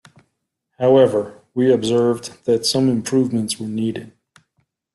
However, we observed that some improvements were needed.